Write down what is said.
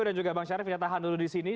dan juga bang syarif saya tahan dulu di sini